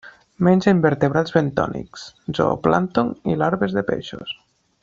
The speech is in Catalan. Menja invertebrats bentònics, zooplàncton i larves de peixos.